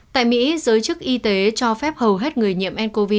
tại mỹ giới chức y tế cho phép hầu hết người nhiễm ncov